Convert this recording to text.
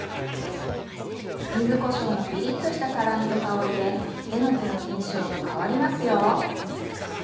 ゆずこしょうのピリッとした辛みと香りでえのきの印象が変わりますよ。